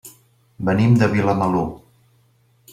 Venim de Vilamalur.